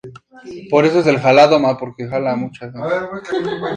Malvaceae Info.